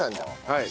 はい。